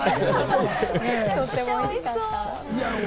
めちゃめちゃおいしそう。